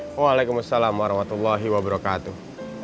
waalaikumsalam warahmatullahi wabarakatuh